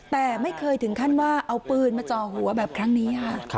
แต่ไม่เคยถึงขั้นว่าเอาปืนมาจ่อหัวแบบครั้งนี้ค่ะ